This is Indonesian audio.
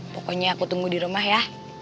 pokoknya aku tunggu di rumah ya